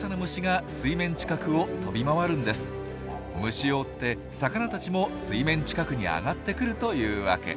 虫を追って魚たちも水面近くに上がってくるというわけ。